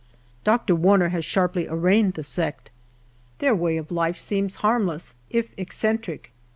Dr. Warner has sharply arraigned the sect. Their way of life seems harmless, if eccentric.